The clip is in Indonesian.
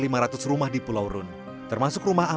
sedangkan kompornya kan bahan bakar di sini mahal